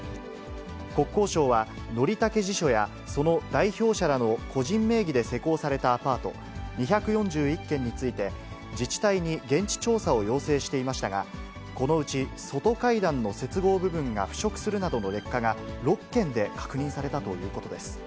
国交省は則武地所やその代表者らの個人名義で施工されたアパート、２４１件について、自治体に現地調査を要請していましたが、このうち外階段の接合部分が腐食するなどの劣化が、６件で確認されたということです。